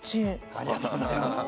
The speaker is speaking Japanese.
ありがとうございます。